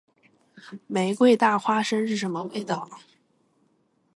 玫瑰大花生是什么味道？